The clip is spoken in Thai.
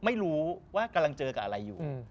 ไม่รู้ว่ากำลังเจอกับอะไรอยู่